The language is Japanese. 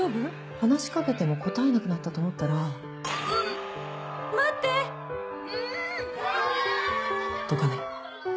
話し掛けても答えなくなったと思ったら。とかね。